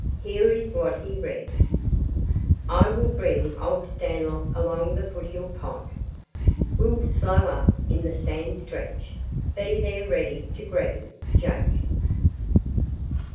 Here is what he read: "I will bring Old Stanlock along the foothill pike. Will slow up in the sand stretch. Be there ready to grab him. Jake."